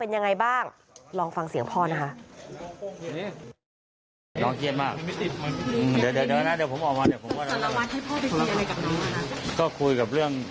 ลองฟังเสียงพ่อน่ะค่ะ